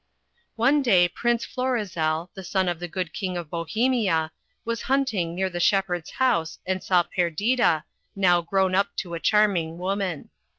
One day Prince Florizfel, the son of the good King of Bohemia, was hunting near the shepherd's house and saw Perdita, now grown up to a charming woman.